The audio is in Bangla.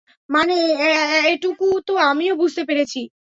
মানে, এটুকু তো আমিও বুঝতে পেরেছি।